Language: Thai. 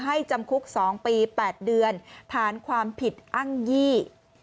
จำคุก๒ปี๘เดือนฐานความผิดอ้างยี่